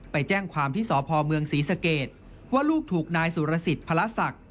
ไปแจ้งความที่สพเมืองศรีสเกตว่าลูกถูกนายสุรสิทธิพระศักดิ์